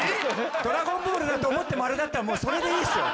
『ドラゴンボール』だと思って「○」だったらもうそれでいいっすよ！